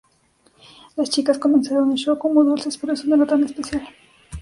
Las chicas comenzaron el show como dulces, pero eso no era tan especial...